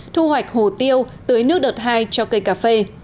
thu hoạch hồ tiêu tưới nước đợt hai cho cây cà phê